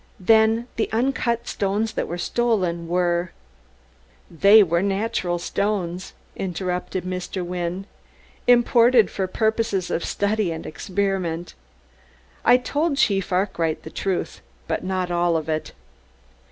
"Then the uncut stones that were stolen were " "They were natural stones," interrupted Mr. Wynne, "imported for purposes of study and experiment. I told Chief Arkwright the truth, but not all of it.